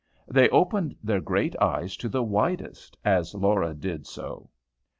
They opened their great eyes to the widest as Laura did so.